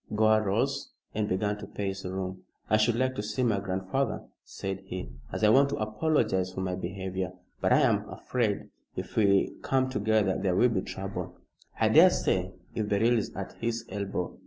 Gore rose and began to pace the room. "I should like to see my grandfather," said he, "as I want to apologise for my behavior. But I am afraid if we come together there will be trouble." "I daresay if Beryl is at his elbow.